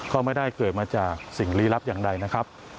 ก็ไม่ได้เกิดมาจากสิ่งลี้ลับอย่างใดนะครับ